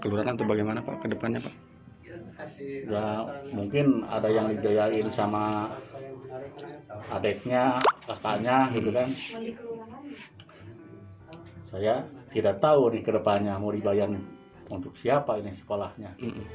untuk siapa ini sekolahnya